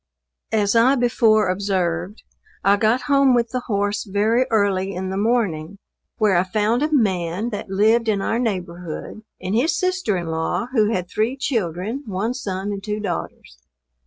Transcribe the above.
As I before observed, I got home with the horse very early in the morning, where I found a man that lived in our neighborhood, and his sister in law who had three children, one son and two daughters.